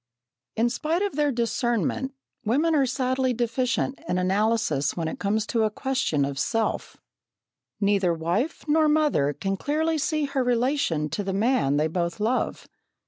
In spite of their discernment, women are sadly deficient in analysis when it comes to a question of self. Neither wife nor mother can clearly see her relation to the man they both love.